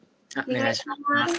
お願いします。